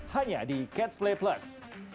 hanya di catch play plus